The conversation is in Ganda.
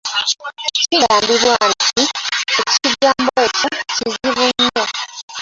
Kigambibwa nti ekigambo ekyo kizibu nnyo.